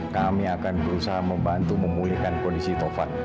kami akan berusaha membantu memulihkan kondisi tovan